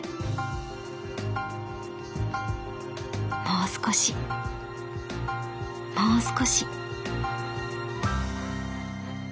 もう少しもう少し」。